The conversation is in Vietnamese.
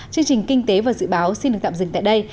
chương trình kinh tế và dự báo xin được tạm dừng tại đây